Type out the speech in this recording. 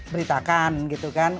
beritakan gitu kan